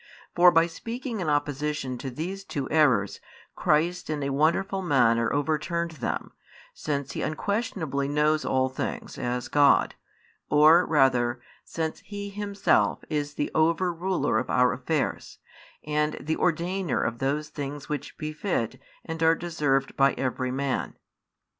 For by speaking in opposition to these two errors, Christ in a wonderful manner overturned them, since He unquestionably knows all things, as God; or rather, since He Himself is the over ruler of our affairs, and the ordainer of those things which befit and are deserved by every man.